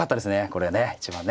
これね一番ね。